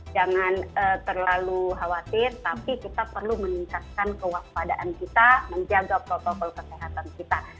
jangan terlalu khawatir tapi kita perlu meningkatkan kewaspadaan kita menjaga protokol kesehatan kita